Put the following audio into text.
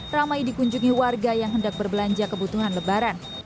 ramai dikunjungi warga yang hendak berbelanja kebutuhan lebaran